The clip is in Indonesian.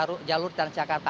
oleh jalur transjakarta